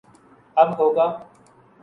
اب ہو گا